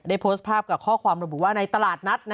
โพสต์ภาพกับข้อความระบุว่าในตลาดนัด